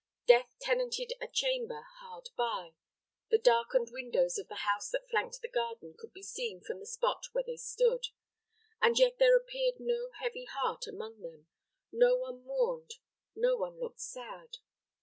Death tenanted a chamber hard by; the darkened windows of the house that flanked the garden could be seen from the spot where they stood, and yet there appeared no heavy heart among them. No one mourned, no one looked sad.